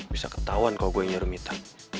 bisa ketauan kalo gua nyuruh mita